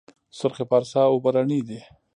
سرخ پارسا اوبه رڼې دي؟